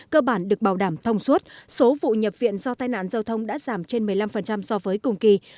cơ bản được bảo đảm thông suốt số vụ nhập viện do tai nạn giao thông đã giảm trên một mươi năm so với cùng kỳ